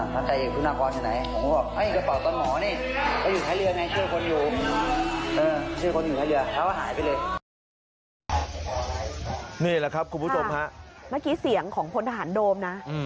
เมื่อกี้เสียงของคนทหารโดมนะ